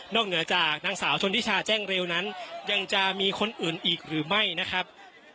เหนือจากนางสาวชนทิชาแจ้งเร็วนั้นยังจะมีคนอื่นอีกหรือไม่นะครับ